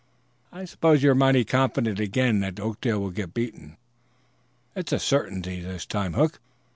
"I suppose you're mighty confident again that Oakdale will get beaten?" "It's a certainty this time, Hook.